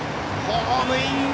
ホームイン！